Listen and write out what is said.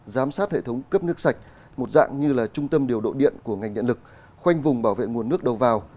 giám sát hệ thống cấp nước sạch một dạng như là trung tâm điều độ điện của ngành điện lực khoanh vùng bảo vệ nguồn nước đầu vào